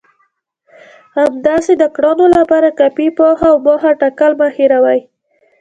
همداسې د کړنو لپاره کافي پوهه او موخه ټاکل مه هېروئ.